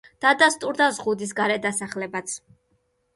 დადასტურდა ზღუდის გარე დასახლებაც.